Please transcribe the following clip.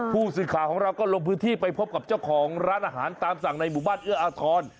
ผู้สื่อข่าวของเราก็ลงพื้นที่ไปพบกับเจ้าของร้านอาหารตามสั่งในหมู่บ้านเอื้ออาทร